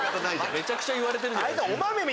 めちゃくちゃ言われてる。